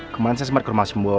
kemarin saya sempat ke rumah sumbu